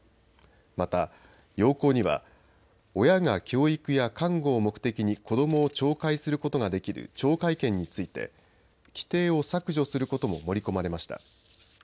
また、要綱には親が教育や監護を目的に子どもを懲戒することができる懲戒権について規定を削除することも盛り込まれました。